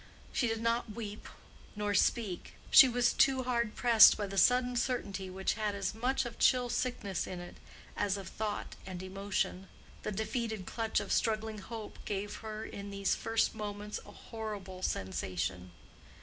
She did not weep nor speak; she was too hard pressed by the sudden certainty which had as much of chill sickness in it as of thought and emotion. The defeated clutch of struggling hope gave her in these first moments a horrible sensation.